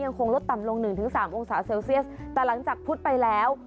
คงลดต่ำลงหนึ่งถึงสามองศาเซลเซียสแต่หลังจากพุธไปแล้ว